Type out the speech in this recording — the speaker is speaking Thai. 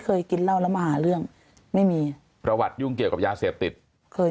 กินเหล้าแล้วมาหาเรื่องไม่มีประวัติยุ่งเกี่ยวกับยาเสพติดเคย